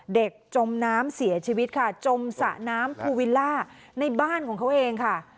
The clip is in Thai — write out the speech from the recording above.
จมน้ำเสียชีวิตค่ะจมสระน้ำภูวิลล่าในบ้านของเขาเองค่ะ